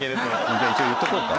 じゃあ一応言っとこうか？